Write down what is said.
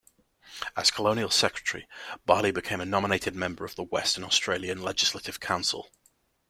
As colonial secretary, Barlee became a nominated member of the Western Australian Legislative Council.